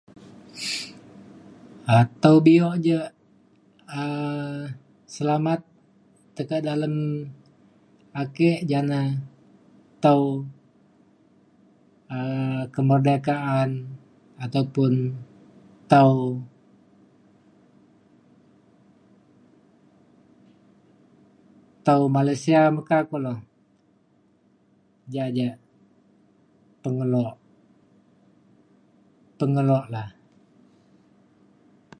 Tau bio ja um selamat tekak dalem ake ja na tau um kemerdekaan ataupun tau tau Malaysia meka kulo. Ja ja pengelo pengelo la.